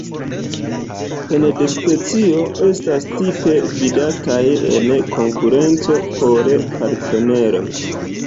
Ene de specio, estas tipe vidataj en konkurenco por partneroj.